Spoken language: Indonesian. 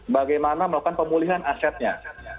bagaimana melakukan pemulihan asetnya